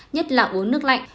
nhất là uống nước lạnh